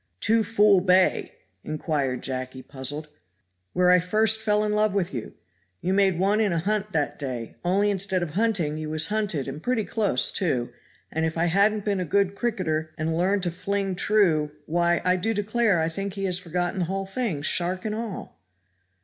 "Two fool bay!" inquired Jacky, puzzled. "Where I first fell in with you. You made one in a hunt that day, only instead of hunting you was hunted and pretty close, too, and if I hadn't been a good cricketer and learned to fling true Why, I do declare I think he has forgotten the whole thing, shark and all!"